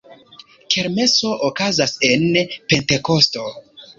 Kermeso okazas en Pentekosto.